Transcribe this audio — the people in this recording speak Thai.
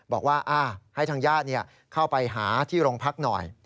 บอกว่าให้ทางญาติเข้าไปหาที่โรงพักหน่อย